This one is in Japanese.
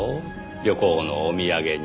旅行のお土産に。